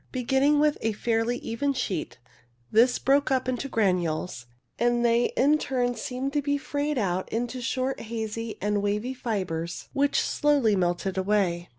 Beginning with a fairly even sheet, this broke up into granules, and they in turn seemed to be frayed out into short hazy and wavy fibres which slowly melted away.